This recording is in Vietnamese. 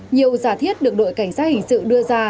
nhiều giả thiết được đội cảnh sát hình sự đưa ra